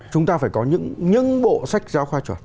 chúng ta phải có những bộ sách giáo khoa chuẩn